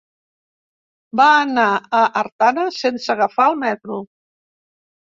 Va anar a Artana sense agafar el metro.